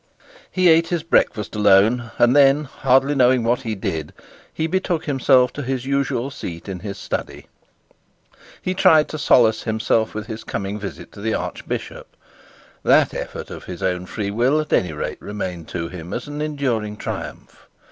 He ate his breakfast alone, and then, hardly knowing what he did, he betook himself to his usual seat in his study. He tried to solace himself with his coming visit to the archbishop. That effort of his own free will at any rate remained to him as an enduring triumph.